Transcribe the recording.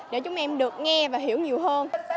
để chúng em được nghe và hiểu nhiều hơn